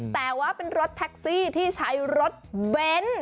แต่ว่าเป็นรถแท็กซี่ที่ใช้รถเบนท์